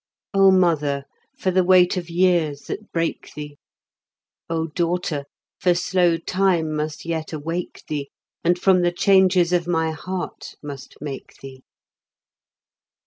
O mother, for the weight of years that break thee! O daughter, for slow time must yet awake thee, And from the changes of my heart must make thee!